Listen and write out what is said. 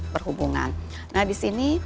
perhubungan nah di sini